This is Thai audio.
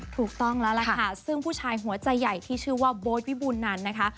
ถูกต้องแล้วล่ะค่ะซึ่งผู้ชายหัวใจใหญ่ที่ชื่อว่าโบ๊ทวิบูลนั้นนะคะ